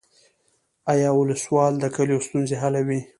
آیا ولسوال د کلیو ستونزې حلوي؟